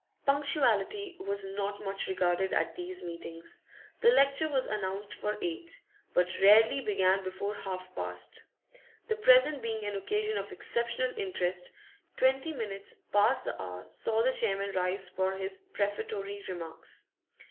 Punctuality was not much regarded at these meetings; the lecture was announced for eight, but rarely began before half past The present being an occasion of exceptional interest, twenty minutes past the hour saw the chairman rise for his prefatory remarks.